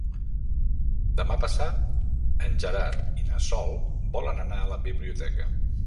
Demà passat en Gerard i na Sol volen anar a la biblioteca.